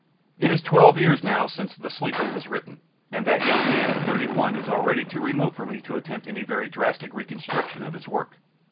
It is twelve years now since the Sleeper was written, and that young man of thirty one is already too remote for me to attempt any very drastic reconstruction of his work.